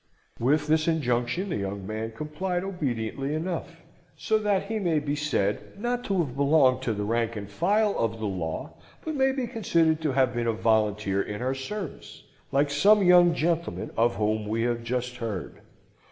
With this injunction the young man complied obediently enough: so that he may be said not to have belonged to the rank and file of the law, but may be considered to have been a volunteer in her service, like some young gentlemen of whom we have just heard.